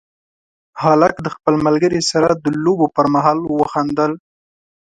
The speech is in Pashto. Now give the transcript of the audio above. هلک د خپل ملګري سره د لوبو پر مهال وخندل.